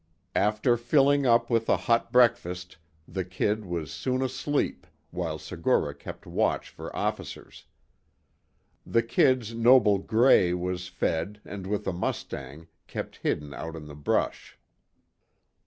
After filling up with a hot breakfast, the "Kid" was soon asleep, while Segura kept watch for officers. The "Kid's" noble "Gray" was fed and with a mustang, kept hidden out in the brush.